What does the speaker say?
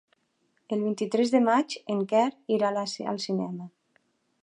El vint-i-tres de maig en Quer irà al cinema.